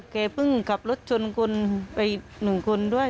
เพิ่งขับรถชนคนไปหนึ่งคนด้วย